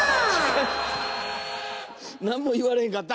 なんも言われへんかった！